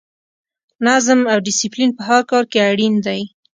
نظم او ډسپلین په هر کار کې اړین دی.